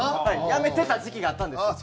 やめてた時期があったんですよ。